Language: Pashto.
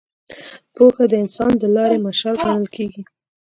پوهه د انسان د لارې مشال ګڼل کېږي.